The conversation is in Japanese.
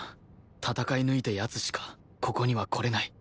戦い抜いた奴しかここには来れない